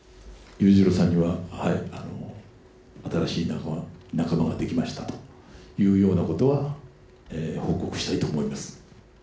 裕次郎さんには、新しい仲間ができましたというようなことを報告したいと思います。